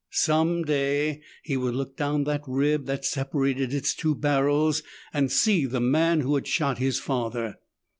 Some day he would look down the rib that separated its two barrels and see the man who had shot his father.